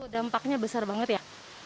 dampaknya besar banget ya